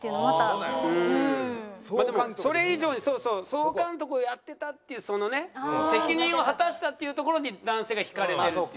まあでもそれ以上にそうそう総監督をやってたっていうそのね責任を果たしたっていうところに男性が惹かれてる。